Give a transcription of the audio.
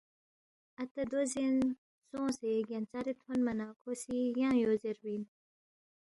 اتا دو زین سونگسے گینژارے تھونما نہ کھو سی ینگ یو زیربی اِن